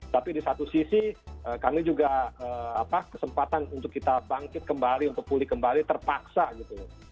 tapi di satu sisi kami juga kesempatan untuk kita bangkit kembali untuk pulih kembali terpaksa gitu